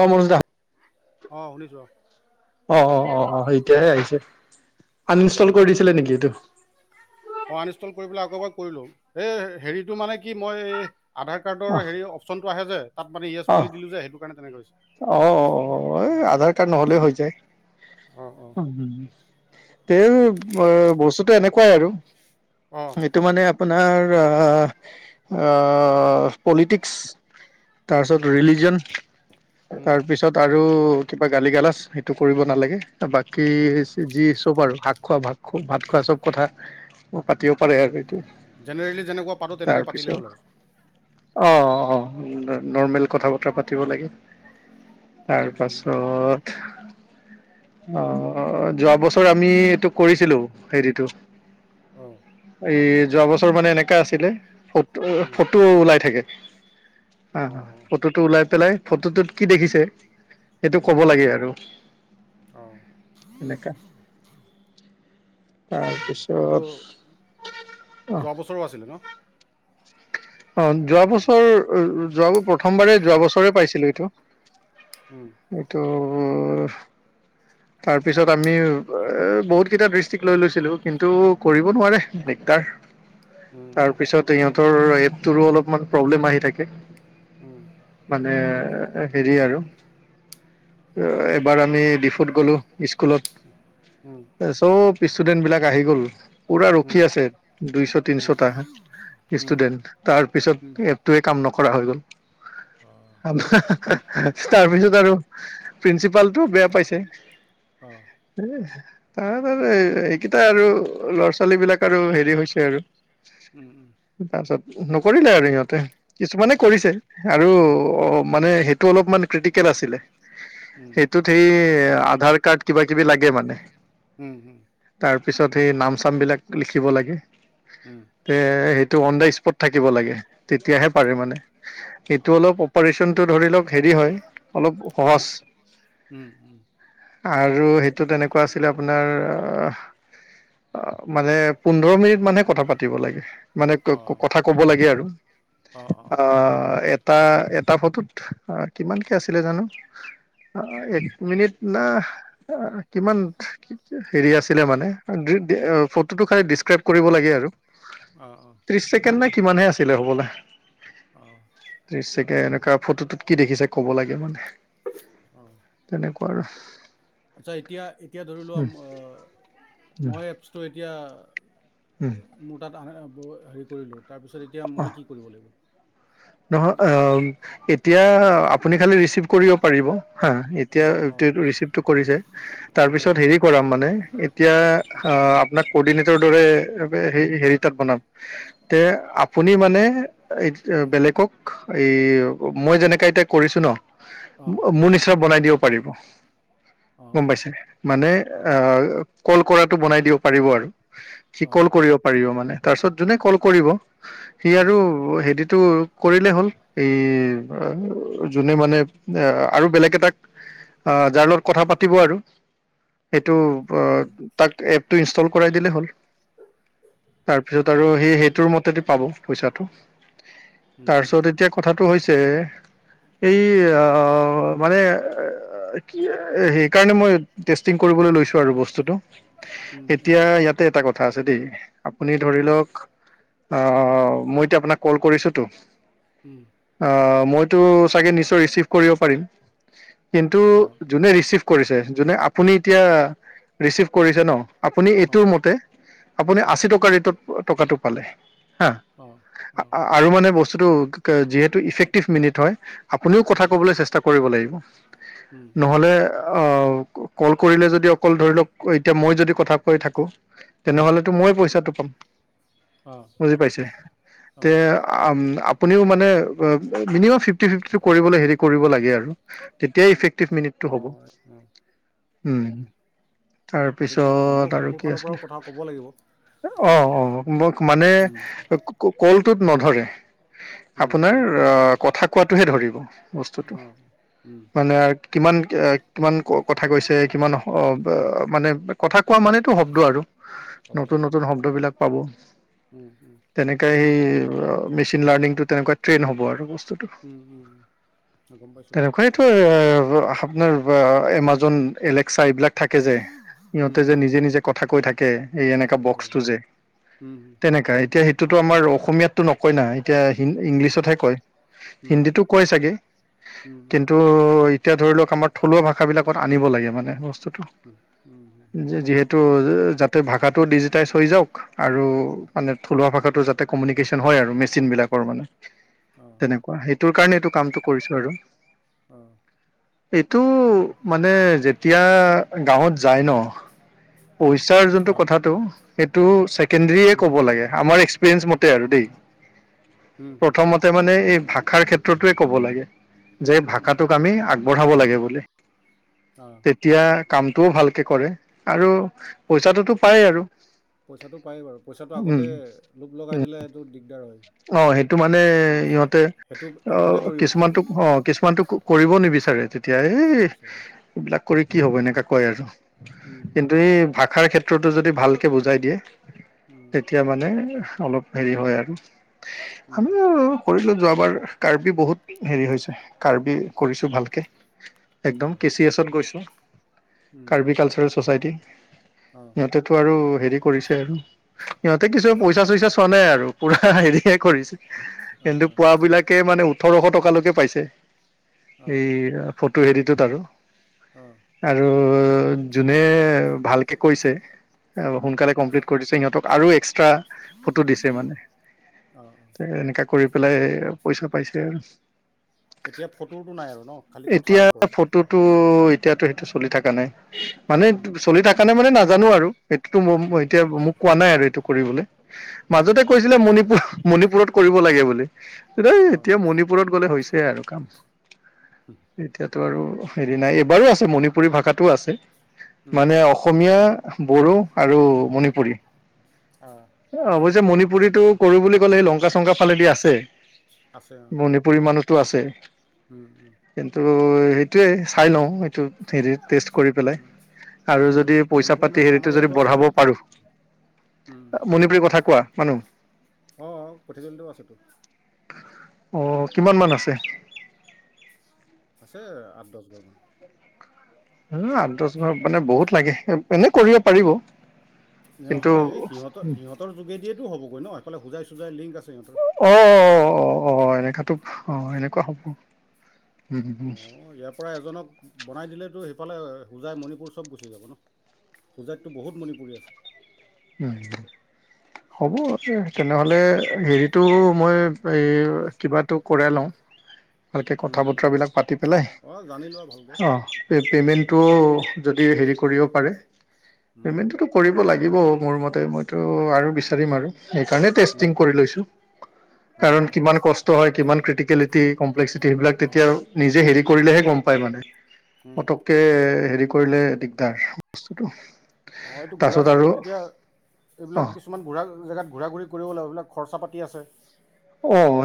অঁ মনুজ দা অঁ শুনিছো অঁ অঁ অঁ অঁ এতিয়াহে আহিছে আন ইনষ্টল উম কৰি দিছিলে নেকি এইটো আনইনষ্টল কৰি পেলাই আকৌ এবাৰ কৰিলো এই হেৰিটো মানে কি মই এই আধাৰ অ কাৰ্ডৰ হেৰি অপচনটো আহে যে তাত মানে য়েছ বুলি দিলোঁ যে সেই কাৰনে তেনেকৈ হৈছে অঁ অঁ আধাৰ কাৰ্ড নহলে হৈ যায় অ অ উম হম এই বস্তুটো এনেকুৱাই আৰু অ সেইটো অ মানে আপোনাৰ পলিটিক্স তাৰপিছত উম ৰিলিজন উম তাৰ পিছত আৰু আৰু কিবা গালি গালাজ সেইটো কৰিব নালাগে বাকী উম যি চব আৰু শাক খোৱা ভাত খ ভাত খোৱা চব কথা ম পাতিব পাৰে আৰু ত জেনেৰেলি যেনেকুৱা পাতো তেনেকৈ পাতিলেই হ'ল তাৰপিছত আৰু অ অ অ নৰ্মেল কথা বতৰা পাতিব লাগে তাৰ উম পাছত অ যোৱা বছৰ আমি এইটো কৰিছিলো হেৰিটো উম এ যোৱা বছৰ মানে এনেকা আছিলে উম ফটো ওলাই থাকে অ ফটোটো ওলাই পেলাই ফটোটোত কি দেখিছে সেইটো উম কব লাগে আৰু অ তেনেকা উ হয়টো অ যোৱা বছৰো আছিলে ন অ যোৱা উম বছৰ যোৱাবোৰ প্ৰথমবাৰে যোৱা বছৰে পাইছিলো এইটো উম এইটো ওমহ তাৰ পিছত আমি এ বহুত কেইটা দৃষ্টিক লৈ লৈছিলো কিন্তু কৰিব নোৱাৰে দিগদাৰ উম তাৰপিছত সিহঁত টোৰ এ প তুৰো অলপমান প্ৰব্লেম আহি থাকে উম নে হেৰি আৰু এবাৰ আমি ডিফুত গলো ইচ স্কুলত উম পিছ ষ্টুডেণ্টবিলাক আহি গ'ল পুৰা ৰখি উম আছে দুইশ উম তিনিশটা উম ষ্টুডেণ্ট তাৰপিছত উম এপটোৱে কাম নকৰে কৰা হৈ গ'ল অ অ তাৰপিছত আৰু প্ৰিঞ্চীপালটোও বেয়া পাইছে অ তাৰ এইকেইটা আৰু ল'ৰা ছোৱালী বিলাক আৰু হেৰি হৈছে আৰু উম উম তাৰপিছত নকৰিলে আৰু সিহঁতে কিছুমানে অ কৰিছে আৰু অ মানে সেইটো অলপমান ক্ৰিটিকেল আছিলে উম সেইটোত সেই আধাৰ কাৰ্ড কিবা কিবি লাগে মানে উম হম তাৰপিছত সেই নাম চামবিলাক লিখিব লাগে এ সেইটো অন দা স্পট থাকিব লাগে তেতিয়াহে পাৰে মানে সেইটো অলপ অপাৰেচন টো ধৰি লওক হেৰি হয় অলপ সহজ উম উম উম আৰু সেইটো তেনেকুৱা আছিলে আপোনাৰ মানে আহ পোন্ধৰ মিনিট মানহে কথা পাতিব লাগে মানে ক কথা ক'ব লাগে আৰু অ এ এটা এটা ফটোত কিমানকে আছিলে জানো এক মিনিট না কিমান হেৰি আছিলে মানে ফটো টো খালি দিচ স্ক্ৰেপ কৰিব লাগে আৰু অ অ ত্ৰিশ ছেকেণ্ড নে কিমানহে আছিলে হ'বলে অ পিছে এনেকুৱা ফটো টোত কি দেখিছে ক'ব লাগে মানে অ ওপৰ আচ্ছা এতিয়া এতিয়া ধৰিলো উম মই এপছটো এতিয়া উম মোৰ তাত অহা নাই হেৰি কৰিলোঁ তাৰপিছত এতিয়া অ মই কি কৰিব লাগিব নহয় অ এতিয়া আপুনি খালি ৰিচিভ কৰিব পাৰিব হয় অ এতিয়া অ যিহেতু ৰিচিভটো কৰিছে তাৰ অ পিছত হেৰি কৰাম মানে এতিয়া আ আপোনাক কৰ্ডিনেটৰ দৰে বে হেৰি তাত বনাম তে আপুনি মানে বেলেগ কক এই মই যেনেকে এতিয়া কৰিছো ন অ মোৰ নিশ্চয় বনাই দিব পাৰিব অ গম পাইছে মানে, অ অ আহ কল কৰাটো বনাই দিব পাৰিব আৰু। অ শিকল কৰিব পাৰিব মানে। তাৰপিছত যোনে কল কৰিব। সি অ আৰু হেৰিত তটো কৰিলে হ'ল এই যোনে মানে এ আৰু বেলেগ এটাক আহ যাৰ লগত কথা পাতিব আৰু। টো উম তাক এ ইনষ্টল কৰাই দিলে হ'ল। তাৰপিছত অ আৰু সি সেইটোৰ মতে পাব পইচাটো। উম তাৰপিছত এতিয়া কথা এই মানে কি সেইকাৰণে মই টেষ্টিং কৰিবলৈ লৈছো আৰু বস্তুটো। উম এতিয়া উম ইয়াতে এটা কথা কথা আছে দেই। আপুনি ধৰি উম লওক অ' মইতিয়া আপোনাক কল কৰিছোতো। উম অ'। মইতো চাগে নিশ্চয় ৰিচিভ কৰিব পাৰিম। কিন্তু, অ যোনে ৰিচিভ কৰিছে। যোনে, আপুনি এতিয়া ৰিচিভ কৰিছে ন! আপুনি অ এইটো মতে আপুনি আশী টকাৰ ৰেটত, টকাটো পালে। হা! অ অ আ-আৰু মানে বচ বস্তুটো ক, যিহেতু ইফক্টিভ মিনিট হয় আপুনিও অ কথা ক'বলৈ চেষ্টা কৰিব লাগিব। উম [inaudible] উম নহলে, অ' ক-কল কৰিলে যদি অকল ধৰি লওক, এতিয়া মই যদি কথা কৈ থাকো উম তেনেহ'লেতো মই পইচাটো অ [inaudible] অ বুজি পাইছে? অ তে, আম আপুনিও মানে, আব, মিনিমাম ফিফ্টি-ফিফ্টিটো কৰিবলৈ, হেৰি কৰিব লাগে আৰু। তেতিয়া ইফেক মিনিটটো অ হ'ব। উম। সেইটো গম পাইছোঁ ময়ো তাৰপিছত আৰু মোৰ কি ফালৰ আছিলে, পৰাও কথা ক'ব লাগিব অ', অ', মোক মানে, উম, কু, কু কলটোত নধৰে উম, আপোনাৰ উম, অ কথা কোৱাটোহে ধৰিব বস্তুটো অঁ উম, মানে আৰু কিমান কিমান ক কথা কৈছে কিমান মানে কথা কোৱা মানেতটো শব্দ আৰু শব্দ নতুন উম, নতুন শব্দবিলাক হ'ব উম, উম, তেনেকা সি তোমাৰ লিংটো তেনেকুৱা ট্ৰন হব আৰু উম, উম, উম, গম পাইছোঁ বাৰু তেনেকুৱাইতো এ আপোনাৰ বা এমাজন এলেক্সা এইবিলাক থাকে যে উম, সিহঁতে যে উম, নিজে নিজে কথা কৈ থাকে কে এই এনেকা কৈ থাকে বক্সটো যে উম, উম, তেনেকাা এতিয়া স সিটো আমাৰ অসমীয়াততো নকয় না এতিয়া নকয় ইংলিছতহে কয় উম, হিন্দীটো কয় চাগে উম, উম, কিন্তু এতিয়া ধৰি লক আমাৰ থলুৱা ভাষাবিলাক আনিব লাগে মানে বস্তু উম, উম, উম, যিহেতু যাতে ভাষা তাতো ডিজিটাইজ হৈ যাওক আৰু উম, মানে থলুৱা ভাষাত যাতে কমিউিকেশ্যন হয় আৰু মে চিন বিলাকৰ মানে অঁ অঁ তেনেকুৱা সেইটোৰ কাৰণটো কামটো কৰিছো আৰু অ এইটো মানে যেতিয়া গাঁৱত যায় ন পইচাৰ যোনটো অঁ কথাাতটো এইেইটোে কেন্দ্ৰিয়ে উম, ক'ব লাগে আমাৰ এক্ প্ৰেচ মতে আৰু দেই উম, উম, উম, প্ৰথমতে মানে এই ভাষাৰ ক্ষেত্ৰতোৱে ক'ব লাগে যে উম, ভাষাটোক আমি আগ বঢ়াব লাগে বুলি অঁ, তেতিয়া কামটোও ভালকে কৰে আৰু পইচাটোতো পায় আৰু পইচাটো পায় বাৰু পইচাটো উম আগতে লো লগাই দিলে সেইটো দিগদাৰ হয় অ সেইটো মানে উম, আ- ইহঁতে সেইটো অ সেইটোতে দৌৰিব পিছত কিছুমানটোক অ কিছুমানটোক কৰিব নিবিচাৰে এতিয়া এই নিবিচাৰে এইবিলাক কৰি কি হ'ব এনেকে কয় আৰু উম, উম, কিন্তু এই ভাষাৰ ক্ষেত্ৰত উত্তৰটো যদি ভালকে বুজাই দিয়ে উম, তেতিয়া মানে অলপ হেৰি হয় আৰু উম, আমি শৰীৰ যোৱাবাৰ কাৰ্বি বহুত হেৰি হৈছে কাৰ্বি কৰিছোঁ ভালকে একদম অঁ কে চি এছত গৈছোঁ উম, কাৰ্বিকালচাৰ আছে ছচাইটি অঁ সিহঁতেতো আৰু হেৰি কৰিছে আৰু সিহঁতে কিছু পইচা চইচা চোৱা নাই আৰু পুৰা পুৰা হেৰিকে কৰিছ অঁ কিন্তু অঁ পুৱাবিলাকে মানে ওঠৰশ টকালৈকে পাইছে অঁ এই ফটো হেৰিটোত আৰু অ আৰু যোনে ভালকে কৈছে অ উম সোনকালে কমপ্লিট কৰি দিছে সিহঁতক আৰু এক্স একটা ফটো দিছে মানে অ অ তাই এনেকা কৰিব পেলাই পইচা পাইছে আৰু এতিয়া ফটোটো নাই আৰু ন খালি এতিয়া কথাৰ ওপৰত ফটোটো এতিয়াতো সেইটো চলি থাকা নাই মানে উম চলি থাকে সেইকাৰণে মানে নাজানো আৰু সেইটোৱতো ম উম এতিয়া মোক কোৱা নাই আৰু এইটো কৰিবলৈ উম মাজতে উম মণিপুৰ মণিপুৰত কৰিব লাগে বোলে এ অ এতিয়া মণিপুৰত গ'লে হৈছে এয়াই আৰু কাম উম এতিয়া ত আৰু হেৰি নাই এইবাৰো আছে মণিপুৰী ভাষাতো আছে উম মানে উম অসমীয়া বড়ো আৰু উম, মণিপুৰী। অ অৱশ্যে মণিপুৰী পুৰীটো কৰো বুলি কলে সেই লংকা চংকা ফালেদি আছে আছে অ মণিপুৰী মানুহ টো আছে উম ত সেইটোয়ে চাই লওঁ এইটো থেৰি টেছ কৰি পেলাই। উম আৰু মণি যদি পইচা মণিপুৰী পাতি মানুহটো হেৰিটো আমাৰ যদি ইয়াতো আছে বঢ়াব বেলেগ পাৰো, উম মণিপুৰী কথা কোৱা মানু অ অ কঠিয়া আছে টো [unintelligible] অহ কিমান মান আছে? আছে আঠ দছ ঘৰ মান উম আঠ দছ ভাৰ মানে বহুত লাগে এনে কৰিব পাৰিব কিন্তু নহয় সিহঁতৰ সিহঁতৰ যোগেদিয়েটো হ'ব ন এফালে হোজাই চোজাই লিংক আছে সিহঁতৰ অ অ অ উম, এনেকাতো অ এনে ককা হ'ব উম উম অ উম ইয়াৰ পৰা এজনক বনাই দিলে টো সেইফালে হোজাই মণিপুৰ চব গুচি যাব ন। হোজাইততো বহুত মণিপুৰী আছে উ হ'ব তেনেহলে হেৰিটো মই এই কিবাটো কৰাই লওঁ ভালকে কথা উম উম বতৰাবিলাক পাতি পেলাই অ জানি লোৱা ভালকৈ অ উম পেমেণ্টটো হেৰি কৰিব পাৰে উম পেমেণ্টোটো কৰিব লাগে দিব মোৰ মতে মইতো আৰু বিচাৰিম আৰু সেইকাৰণে উম টেষ্টিং কৰি লৈছো। অ কাৰণ অ কিমান কষ্ট হয় কিমান ক্ৰিটিকেলিটি কমপ্লেক্সিটি সেইবিলাক অ তেতিয়া নিজে হেৰি কৰিলেহে গ'ম পায় মানে। উম পটককে, হেৰি কৰিলে দিগদাৰ, বস্তুটো অ', এইটো তাৰপিছত [unintelligible] আৰু এতিয়া অ এইবিলাক কিছুমান ঘূৰা জেগাত, ঘূৰা-ঘূৰি কৰিব লাগে। এইবলাক খৰচা পাতি আছে। অ',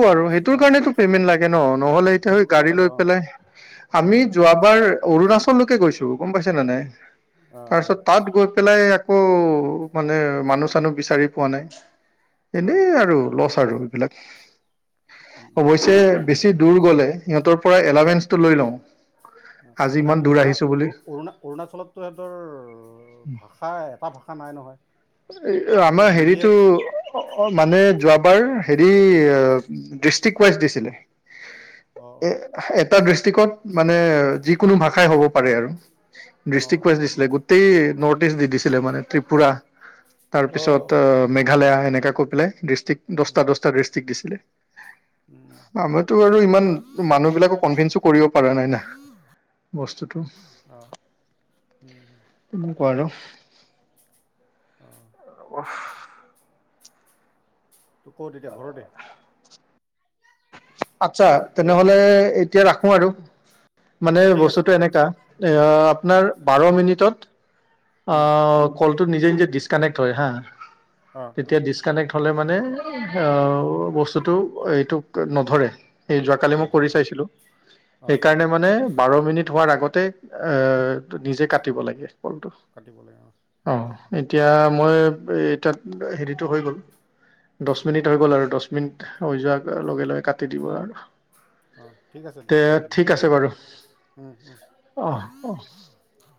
অ আৰু। সেইটোৰ অ কাৰণোটো পেমেন্ট লাগে ন! অ নহ'লে এতিয়া সেইটো সেই কাৰণে গাড়ী লাগে লৈ অ পেলাই, আমি উম যোৱাবাৰ অৰুণাচললৈকে গৈছোঁ। গম পাইছেনে নাই? অ অ তাৰপিছত তাত গৈ পেলাই আকৌ, মানে মানুহ-চানুহ বিচাৰি পোৱা নাই। অ এনেই আৰু লছ আৰু এইবিলাক উম উম অৱশ্যে বেছি দূৰ গ'লে সিহঁতৰ পৰাই এলাৱেঞ্চটো লৈ লওঁ। আজি এ ইমান দূৰ অৰুণা, আহিছো বুলি অউ-অৰুণা, অৰুণাচলততো এহেটৰ ভাষা, এটা ভাষা নাই নহয়! এ-এই সিহঁতৰ আমাৰ হিন্দীয়ে হেৰিতো, অ, অ, মানে যোৱা বাৰ হেৰি, অ', দিচ টিক ৱাইজ দিছিলে। এ, অ হা, এ এটা দিষ্ট্ৰিকত মানে, যিকোনো ভাষাই হ'ব পাৰে আৰু। অ অ দিষ্টিক ৱাইজ দিছিলে। গোট টেই নৰ্থ ইষ্ট দি দিছিলে মানে। ত্ৰিপুৰা অ তাৰপিছত অ, মে [unintelligible] আহে এনেক কৈ পেলাই, দিছ ষ্টিক উম দহটা, দহটা দিষ্ট্ৰিক দিছে। উম [inaudible] আমাৰতো আৰু ইমান, মানুহবিলাকক কনভিন্স কৰিব পৰা নাই না। বস্তুটো [inaudible] অ উম অ [inaudible] ত‌ই ক'ত এতিয়া, ঘৰতে? আচ্ছা হেল্ল' তেনেহলে এতিয়া ৰাখ সোঁ আৰো! মানে ঠিক আছে বস্তুতটো দিয়া এনেকা, এ উম আপোনাৰ বাৰ মিনিটত উম অঁ কলটো নিজে নিজে ডিচকানেক্ট হয়, হা! অ অ তেতিয়া ডিচকানেক্ট হলে মানে অঁ, বস্তুতটো এইটোক নধৰে! স যোৱাকালি মই কৰি নধৰা চাইছিলো, অঁ অঁ সেইকাৰণে অঁ মানে বাৰ মিনিট হোৱাৰ আগত তেত অঁ নিজে কাটিব লাগে পলটো। কাটিব লাগে, অঁ! মই 'এ' তাত হেৰিতো হৈ গ'ল। উম, দহ উম, মিনিট হৈ গ'ল আৰু, দহ মিনিট হৈ যোৱাৰ লগে লগে কাটি দিব আৰু! অঁ ঠিক আছে তে দিয়া কাতি দিয়া, ঠিক আছে বাৰু অঁ অঁ উ-উ-!